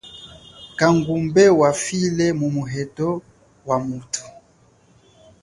Kangumbe wafile mumu heto wamuthu.